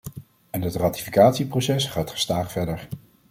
En het ratificatieproces gaat gestaag verder.